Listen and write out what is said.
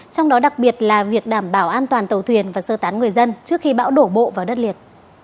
trong đó đặc biệt là việc đảm bảo an toàn tàu thuyền và sơ tán người dân trước khi bão đổ bộ vào đất liền